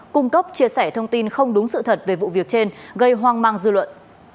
cung cấp chia sẻ thông tin không đúng sự thật về vụ việc trên gây hoang mang dư luận